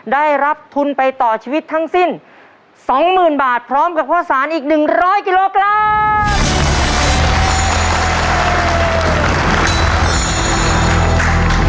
ได้รับทุนไปต่อชีวิตทั้งสิ้นสองหมื่นบาทพร้อมกับพ่อสารอีกหนึ่งร้อยกิโลกรัม